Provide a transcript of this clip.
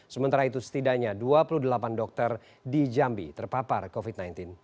sementara itu setidaknya dua puluh delapan dokter di jambi terpapar covid sembilan belas